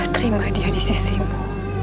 terima dia di sisimu